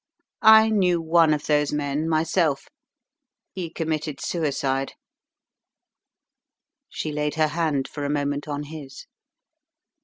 I knew one of those men myself. He committed suicide." She laid her hand for a moment on his.